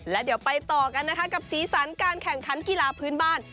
แล้วเดี๋ยวไปต่อกันนะคะกับสีสันการแข่งขันกีฬาพื้นบ้าน